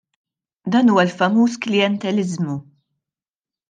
Dan huwa l-famuż klijenteliżmu.